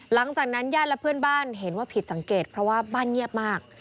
หลังจากนั้นญาติและเพื่อนบ้านเห็นว่าผิดสังเกตเพราะว่าบ้านเงียบมาก